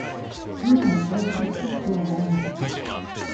用途に応じてスペックを選びましょう